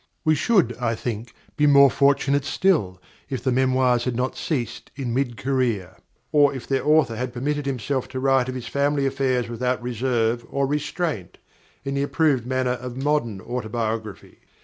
We should, I think, be more fortunate still if the memoirs had not ceased in mid career, or if their author had permitted himself to write of his family affairs without reserve or restraint, in the approved manner of modern autobiography.